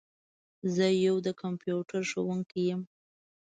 زه یو د کمپیوټر ښوونکي یم.